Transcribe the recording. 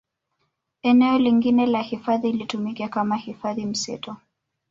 Eneo lingine la hifadhi litumike kama hifadhi mseto